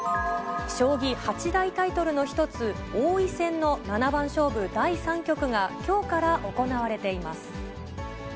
将棋八大タイトルの一つ、王位戦の七番勝負第３局が、きょうから行われています。